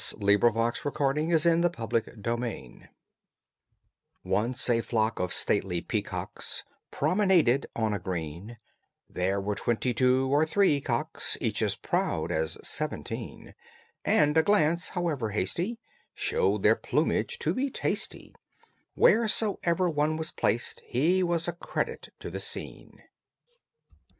THE PATRICIAN PEACOCKS AND THE OVERWEENING JAY Once a flock of stately peacocks Promenaded on a green, There were twenty two or three cocks, Each as proud as seventeen, And a glance, however hasty, Showed their plumage to be tasty; Wheresoever one was placed, he Was a credit to the scene.